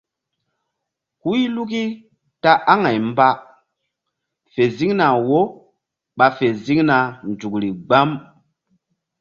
Huy luki ta aŋay mba fe ziŋna wo ɓa fe ziŋna nzukri gbam.